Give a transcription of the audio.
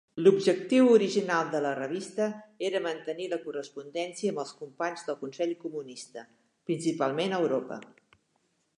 L'objectiu original de la revista era mantenir la correspondència amb els companys del consell comunista, principalment a Europa.